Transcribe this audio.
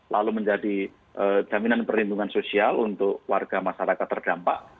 lalu menjadi jaminan perlindungan sosial untuk warga masyarakat terdampak